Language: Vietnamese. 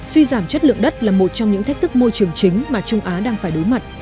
suy giảm chất lượng đất là một trong những thách thức môi trường chính mà trung á đang phải đối mặt